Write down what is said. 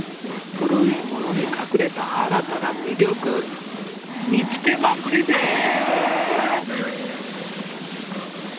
古い物に隠れた新たな魅力見つけまくりです！